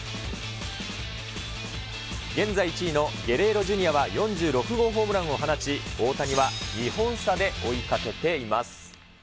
現在１位のゲレーロＪｒ．は４６号ホームランを放ち、大谷は２本差で追いかけています。